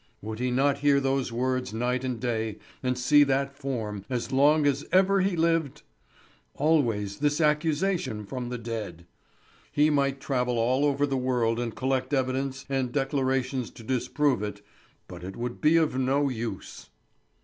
Would he not hear those words night and day, and see that form, as long as ever he lived? Always this accusation from the dead. He might travel all over the world and collect evidence and declarations to disprove it, but it would be of no use.